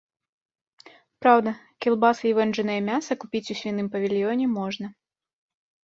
Праўда, кілбасы і вэнджанае мяса купіць у свіным павільёне можна.